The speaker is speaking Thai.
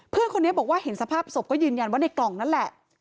เพื่อนคนนี้บอกว่าเห็นสภาพศพก็ยืนยันว่าในกล่องนั่นแหละ